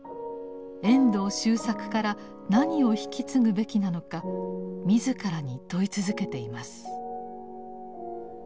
遠藤周作から何を引き継ぐべきなのか自らに問い続けています。